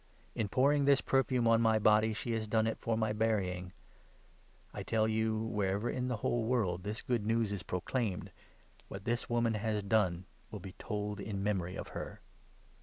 In pouring this perfume on my 12 body, she has done it for my burying. I tell you, wher 13 ever, in the whole world, this Good News is proclaimed, what this woman has done will be told in memory of her."